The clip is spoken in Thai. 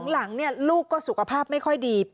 หลังลูกก็สุขภาพไม่ค่อยดี